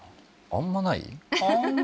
あんまりない。